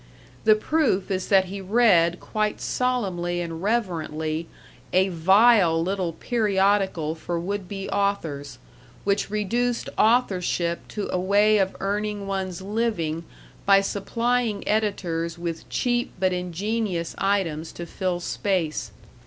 The proof is that he read quite solemnly and reverently a vile little periodical for would be authors, which reduced authorship to a way of earning one's living by supplying editors with cheap but ingenious items to fill space.